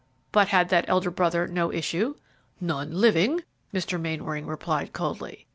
"But had that elder brother no issue?" "None living," Mr. Mainwaring replied, coldly.